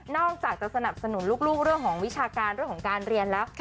อกจากจะสนับสนุนลูกเรื่องของวิชาการเรื่องของการเรียนแล้ว